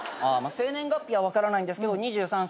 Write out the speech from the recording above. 生年月日は分からないんですけど２３歳ですね。